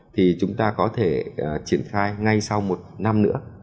thì chúng ta có thể triển khai ngay sau một năm nữa